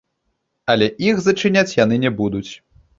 Але іх зачыняць яны не будуць.